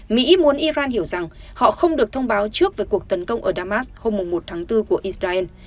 mỹ muốn iran hiểu rằng họ không được thông báo trước về cuộc tấn công ở damas hôm một tháng bốn của israel